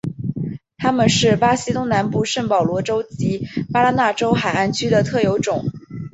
它们是巴西东南部圣保罗州及巴拉那州海岸区的特有种。